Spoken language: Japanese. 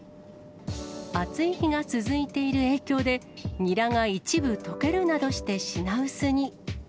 暑い日が続いている影響で、ニラが一部溶けるなどして品薄に。